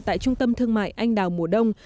tại trung tâm thương mại anh đào mùa đông